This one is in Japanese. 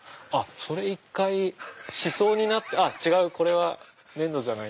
それ１回しそうになって違うこれは粘土じゃない！